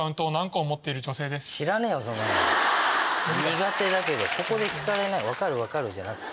苦手だけどここで聞かれない「分かる分かる」じゃなくて。